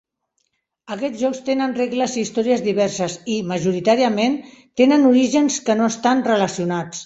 Aquests jocs tenen regles i històries diverses i, majoritàriament, tenen orígens que no estan relacionats.